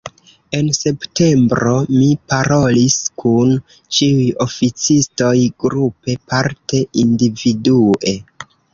En septembro mi parolis kun ĉiuj oficistoj grupe, parte individue.